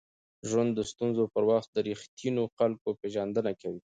ژوند د ستونزو پر وخت د ریښتینو خلکو پېژندنه کوي.